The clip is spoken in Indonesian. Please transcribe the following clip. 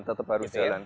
tetap harus jalan